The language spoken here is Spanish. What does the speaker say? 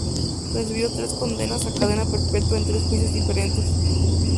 Recibió tres condenas a cadena perpetua en tres juicios diferentes.